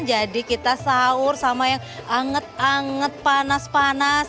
jadi kita sahur sama yang anget anget panas panas